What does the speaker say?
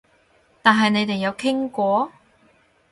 但係你哋有傾過？